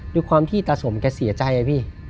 ด้วยความที่ตาสมแกเสียใจ